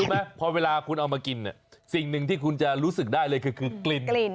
ลูกมั้ยพอเวลาเอามากินสิ่งหนึ่งที่คุณจะรู้สึกได้เลยคือกลิ่น